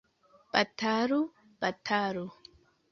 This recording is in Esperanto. Batalu! batalu!